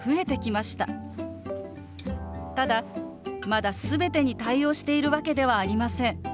ただまだ全てに対応しているわけではありません。